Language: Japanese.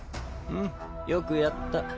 うんよくやった。